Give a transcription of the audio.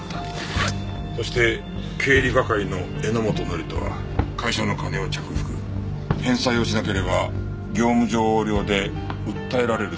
そして経理係の榎本紀人は会社の金を着服返済をしなければ業務上横領で訴えられる寸前だった。